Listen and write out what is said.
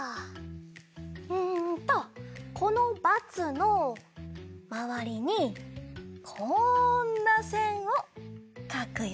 んとこのバツのまわりにこんなせんをかくよ！